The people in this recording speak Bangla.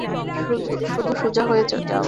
শুধু, সোজা চলে যাও।